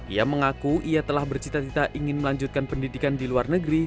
ia mengaku ia telah bercita cita ingin melanjutkan pendidikan di luar negeri